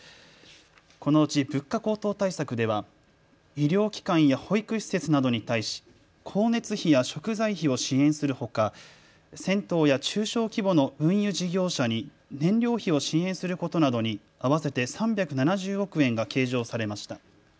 このうち物価高騰対策では医療機関や保育施設などに対し光熱費や食材費を支援するほか銭湯や中小規模の運輸事業者に燃料費を支援することなどに合わせて３７０億円が計上されました。